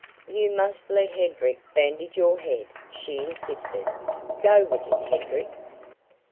"You must let Hedrick bandage your head," she insisted. "Go with him, Hedrick."